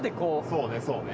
そうねそうね。